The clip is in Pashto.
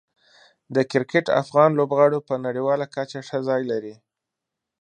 د کرکټ افغان لوبغاړو په نړیواله کچه ښه ځای لري.